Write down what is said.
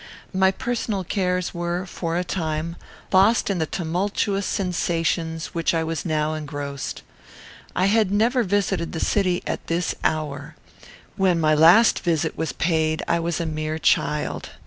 My personal cares were, for a time, lost in the tumultuous sensations with which I was now engrossed. I had never visited the city at this hour. When my last visit was paid, I was a mere child.